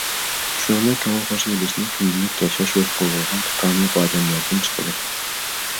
شۇنىڭدىن كۆڭۈل خوشى ئېلىشنى كۈندىلىك ياشاش يولى قىلىۋالغان تۇتامى يوق ئادەملەردىن چىقىدۇ.